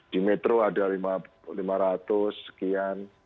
di metro ada lima ratus sekian